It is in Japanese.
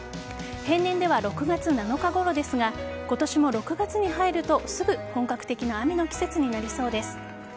平年では６月７日ごろですが今年も６月に入るとすぐ本格的な雨の季節になりそうです。